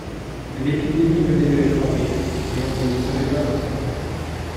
L’épidémie venait de les frapper, mais on ne le savait pas encore.